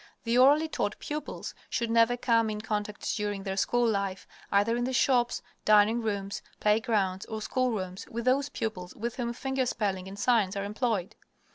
The orally taught pupils should never come in contact during their school life, either in the shops, dining rooms, playgrounds, or schoolrooms, with those pupils with whom finger spelling and signs are employed.